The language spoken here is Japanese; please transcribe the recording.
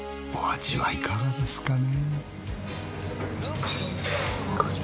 お味はいかがですかね？